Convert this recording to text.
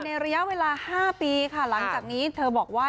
ระยะเวลา๕ปีค่ะหลังจากนี้เธอบอกว่า